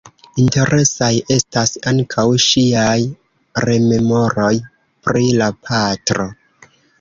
Interesaj estas ankaŭ ŝiaj rememoroj pri la patro.